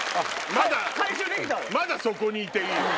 まだそこにいていいお前。